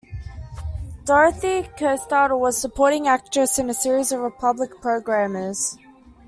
Dorothy co-starred or was supporting actress in a series of Republic programmers.